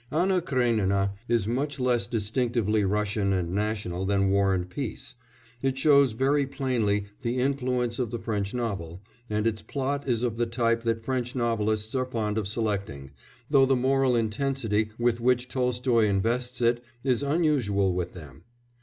Anna Karénina is much less distinctively Russian and national than War and Peace; it shows very plainly the influence of the French novel, and its plot is of the type that French novelists are fond of selecting, though the moral intensity with which Tolstoy invests it is unusual with them.